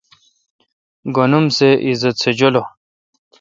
گن اُم سہ عزت سہ جولہ۔